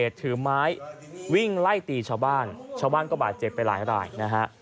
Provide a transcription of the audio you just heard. ถือไม้วิ่งไล่ตีชาวบ้านชาวบ้านก็บาดเจ็บไปหลายรายนะฮะ